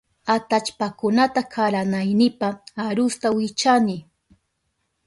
Atallpakunata karanaynipa arusta wichani.